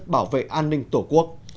bảo vệ an ninh tổ quốc